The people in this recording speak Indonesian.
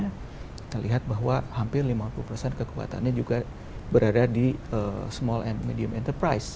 kita lihat bahwa hampir lima puluh persen kekuatannya juga berada di small and medium enterprise